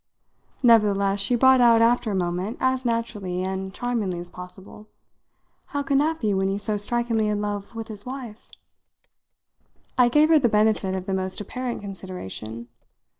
Nevertheless she brought out after a moment, as naturally and charmingly as possible: "How can that be when he's so strikingly in love with his wife?" I gave her the benefit of the most apparent consideration.